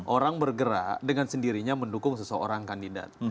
orang bergerak dengan sendirinya mendukung seseorang kandidat